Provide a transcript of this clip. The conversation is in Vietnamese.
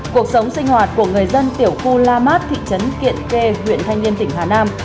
cuộc sống sinh hoạt của người dân tiểu khu la mát thị trấn kiện ke huyện thanh niên tỉnh hà nam